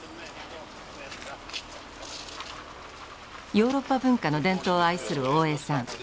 ヨーロッパ文化の伝統を愛する大江さん。